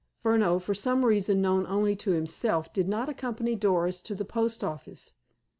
Furneaux, for some reason known only to himself, did not accompany Doris to the post office.